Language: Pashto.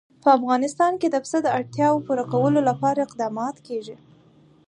په افغانستان کې د پسه د اړتیاوو پوره کولو لپاره اقدامات کېږي.